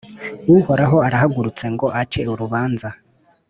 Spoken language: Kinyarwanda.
Uhoraho arahagurutse ngo ace urubanza,